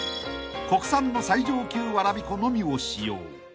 ［国産の最上級わらび粉のみを使用］